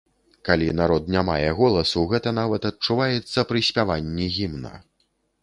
Калі народ не мае голасу, гэта нават адчуваецца пры спяванні гімна.